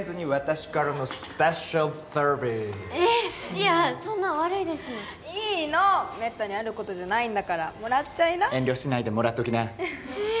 いやそんな悪いですよいいのめったにあることじゃないんだからもらっちゃいな遠慮しないでもらっときなえっ